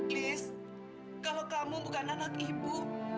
list kalau kamu bukan anak ibu